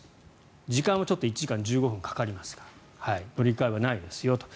時間は１時間１５分かかりますが乗り換えはないですよと。